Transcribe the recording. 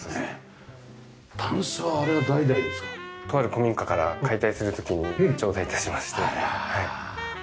とある古民家から解体する時にちょうだい致しまして。